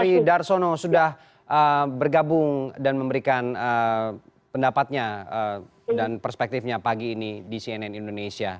terima kasih d arsono sudah bergabung dan memberikan pendapatnya dan perspektifnya pagi ini di cnn indonesia